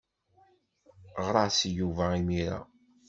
Ɣer-as i Yuba imir-a.